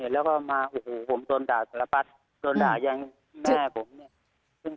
แล้วก็มาโดนด่าตลอดปั๊ดโดนด่ายังแม่ผม